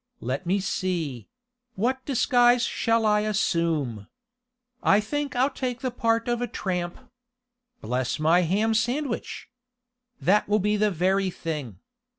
Let me see what disguise shall I assume? I think I'll take the part of a tramp. Bless my ham sandwich! That will be the very thing.